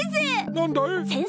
なんだい？